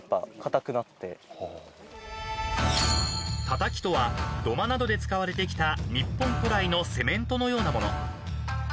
［たたきとは土間などで使われてきた日本古来のセメントのようなもの］